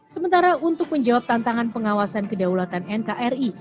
sementara untuk menjawab tantangan pengawasan kedaulatan nkri